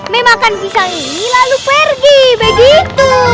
memakan pisang ini lalu pergi begitu